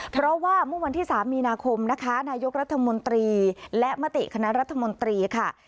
เพราะว่าเมื่อวันที่๓มีนาคมนะคะนายกรัฐมนตรีและมติคณะรัฐมนตรีค่ะ